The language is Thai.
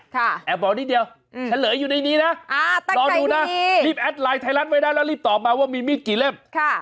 ค่ะแอบบอกนิดเดียวอืมฉันเหลืออยู่ในนี้นะอ่าตั้งใจนี่รอดูนะรีบแอดไลน์ไทยรัศน์ไว้ได้แล้วรีบตอบมาว่ามีมีดกี่เล่มค่ะ